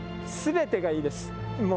すべてがいいです。